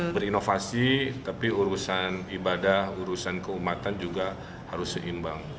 berinovasi tapi urusan ibadah urusan keumatan juga harus seimbang